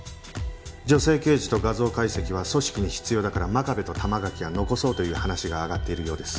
女性刑事と画像解析は組織に必要だから真壁と玉垣は残そうという話が上がっているようです。